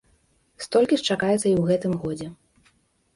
Столькі ж чакаецца і ў гэтым годзе.